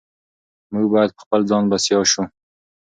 موږ باید په خپل ځان بسیا شو.